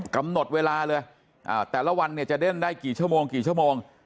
กำหนดเวลาเลยแต่ละวันเนี่ยจะเด้นได้กี่ชั่วโมงกี่ชั่วโมง